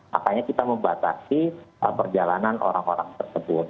makanya kita membatasi perjalanan orang orang tersebut